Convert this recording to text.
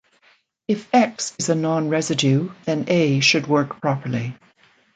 If "x" is a non-residue, then "A" should work properly.